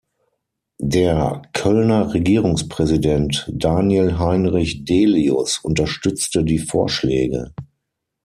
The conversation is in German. Der "Kölner Regierungspräsident Daniel Heinrich Delius" unterstützte die Vorschläge.